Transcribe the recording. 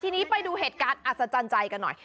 ทีนี้ไปดูเหตุการณ์อัศจรรย์ใจกันหน่อย